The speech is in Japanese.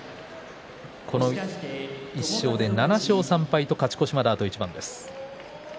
この１勝で７勝３敗と勝ち越しまで、あと一番です。